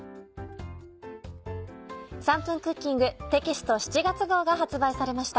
『３分クッキング』テキスト７月号が発売されました。